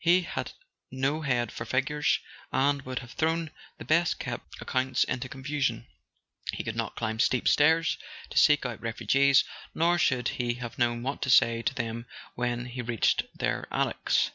He had no head for figures, and would have thrown the best kept accounts into con¬ fusion; he could not climb steep stairs to seek out refu¬ gees, nor should he have known what to say to them when he reached their attics.